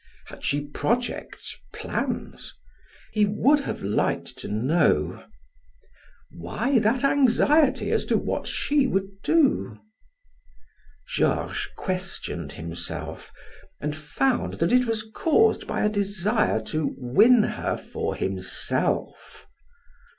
Had she projects, plans? He would have liked to know. Why that anxiety as to what she would do? Georges questioned himself, and found that it was caused by a desire to win her for himself.